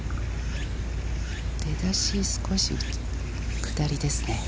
出だし、少し下りですね。